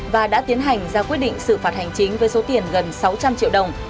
và đã tiến hành ra quyết định xử phạt hành chính với số tiền gần sáu trăm linh triệu đồng